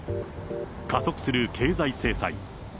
加速する経済制裁。